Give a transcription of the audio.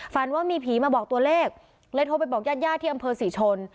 ฝันว่ามีผีมาบอกตัวเลขเลยโทรไปบอกญาติญาติที่อำเภอศรีชน